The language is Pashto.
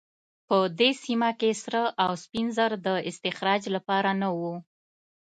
په دې سیمه کې سره او سپین زر د استخراج لپاره نه وو.